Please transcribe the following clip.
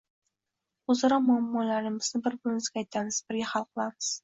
Oʻzaro muammolarimizni bir-birimizga aytamiz, birga hal qilamiz